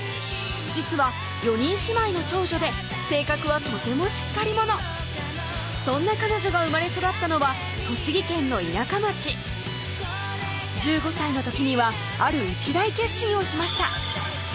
実は４人姉妹の長女で性格はとてもしっかり者そんな彼女が生まれ育ったのは栃木県の田舎町１５歳の時にはある一大決心をしました